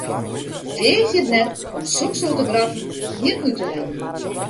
Weagje it net om soksoarte grappen hjir út te heljen!